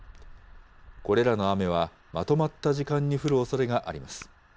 これらの雨はまとまった時間に降るおそれがあります。